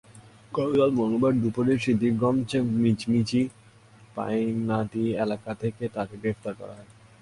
গতকাল মঙ্গলবার দুপুরে সিদ্ধিরগঞ্জের মিজমিজি পাইনাদী এলাকা থেকে তাঁকে গ্রেপ্তার করা হয়।